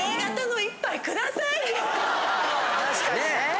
確かにね。